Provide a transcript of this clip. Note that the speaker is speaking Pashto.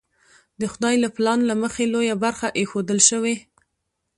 د خدای له پلان له مخې لویه برخه ایښودل شوې.